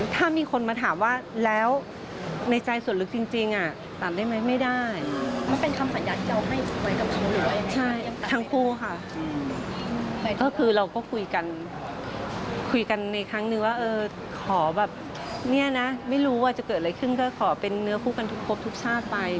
เป็นเนื้อคู่กันทุกชาติไป